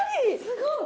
すごい！